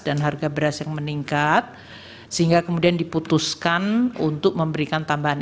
dan harga beras yang meningkat sehingga kemudian diputuskan untuk memberikan tambahan